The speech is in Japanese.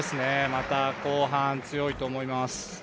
また後半、強いと思います。